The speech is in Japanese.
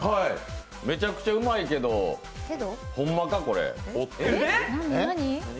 めちゃくちゃうまいけどホンマか、これ。